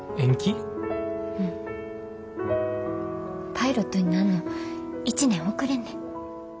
パイロットになんの１年遅れんねん。